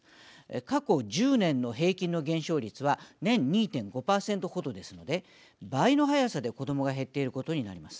過去１０年の平均の減少率は年２．５％程ですので倍の速さで子どもが減っていることになります。